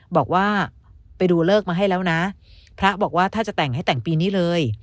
บอกว่าไปดูเลิกมาให้แล้วนะพระบอกว่าถ้าจะแต่งให้แต่งปีนี้เลย